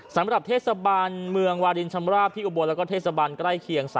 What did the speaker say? สำหรับเทศบาลเมืองวารินชำราบที่อุบลแล้วก็เทศบาลใกล้เคียง